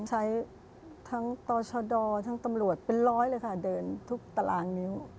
ใช้ทั้งต่อชดทั้งตำรวจเป็นร้อยเลยค่ะเดินทุกตารางนิ้ว